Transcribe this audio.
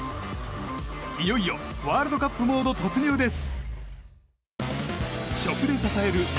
いよいよワールドカップモード突入です。